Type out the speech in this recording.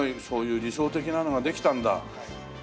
そういう理想的なのができたんだ。